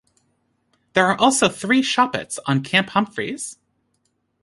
There are also three Shoppettes on Camp Humphreys.